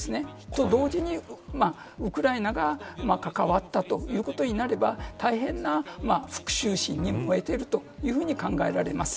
と同時にウクライナが関わったということになれば大変な復讐心に燃えているというふうに考えられます。